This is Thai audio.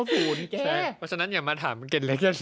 เพราะฉะนั้นอย่ามาถามกันเลย